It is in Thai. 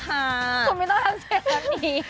คุณไม่ต้องทำเสียงแบบนี้